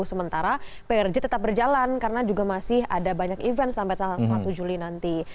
sementara prj tetap berjalan karena juga masih ada banyak event sampai satu juli nanti